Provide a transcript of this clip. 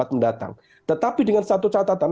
mendatang tetapi dengan satu catatan